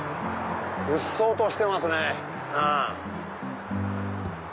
うっそうとしてますね。